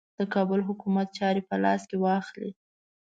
د کابل حکومت چاري په لاس کې واخلي.